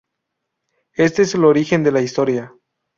Este es el origen de la historia.